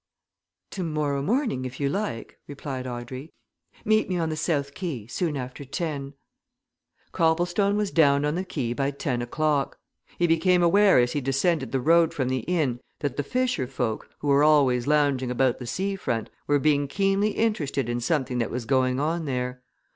"Tomorrow morning, if you like," replied Audrey. "Meet me on the south quay, soon after ten." Copplestone was down on the quay by ten o'clock. He became aware as he descended the road from the inn that the fisher folk, who were always lounging about the sea front, were being keenly interested in something that was going on there.